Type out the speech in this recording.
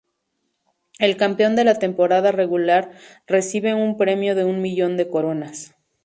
El campeón de la temporada regular recibe un premio de un millón de coronas.